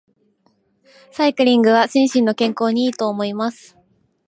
サイクリングは心身の健康に良いと思います。